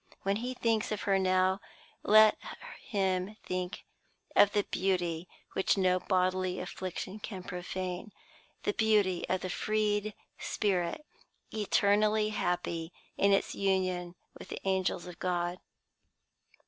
When he thinks of her now, let him think of the beauty which no bodily affliction can profane the beauty of the freed spirit, eternally happy in its union with the angels of God.